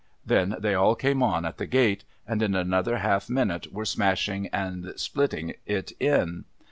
Then, they all came on at the gate, and, in another half minute were smashing and si)litting it in.